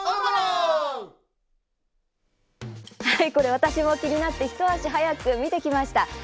私も気になって一足、早く見てきました。